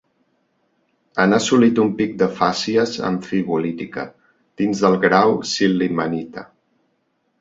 Han assolit un pic de fàcies amfibolítica, dins del grau sil·limanita.